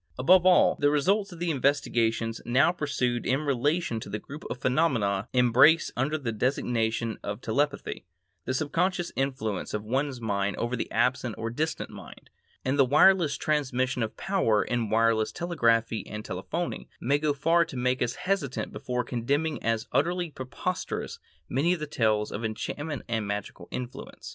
Above all, the results of the investigations now pursued in relation to the group of phenomena embraced under the designation of telepathy,—the subconscious influence of one mind over an absent or distant mind,—and the wireless transmission of power in wireless telegraphy and telephony, may go far to make us hesitate before condemning as utterly preposterous many of the tales of enchantment and magical influence.